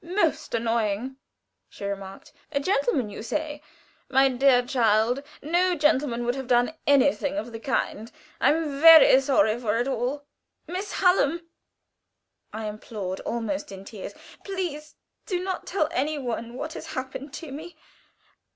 "Most annoying!" she remarked. "A gentleman, you say. My dear child, no gentleman would have done anything of the kind. I am very sorry for it all." "Miss Hallam," I implored, almost in tears, "please do not tell any one what has happened to me.